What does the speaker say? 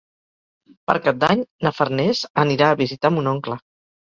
Per Cap d'Any na Farners anirà a visitar mon oncle.